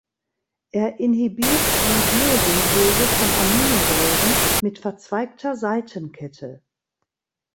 Es inhibiert die Biosynthese von Aminosäuren mit verzweigter Seitenkette.